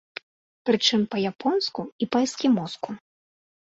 Прычым, па-японску і па-эскімоску.